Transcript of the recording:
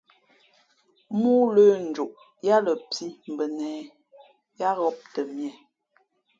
Móó lə̄ njoʼ yāā lα pǐ bα nehē, yáá ghōp tαmīe.